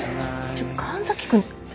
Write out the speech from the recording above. ちょっ神崎君？